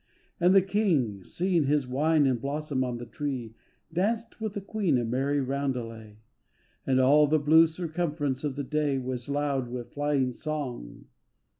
And the King Seeing his wine in blossom on the tree Danced with the queen a merry roundelay, And all the blue circumference of the day Was loud with flying song.